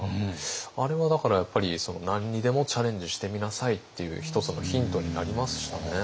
あれはだからやっぱり何にでもチャレンジしてみなさいっていう１つのヒントになりましたね。